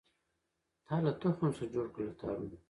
تا له تخم څخه جوړکړله تارونه